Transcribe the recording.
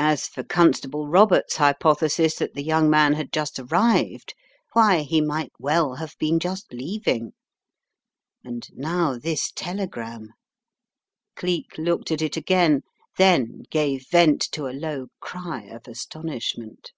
As for Constable Roberts' hypothesis that the young man had just arrived — why, he might well have been just leaving. And now this telegram ! Cleek looked at it again, then gave vent to a low cry of astonishment.